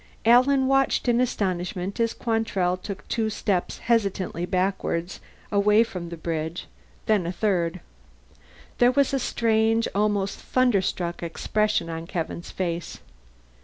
Alan watched in astonishment as Quantrell took two steps hesitantly backward away from the bridge, then a third. There was a strange, almost thunderstruck expression on Kevin's face.